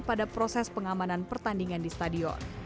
pada proses pengamanan pertandingan di stadion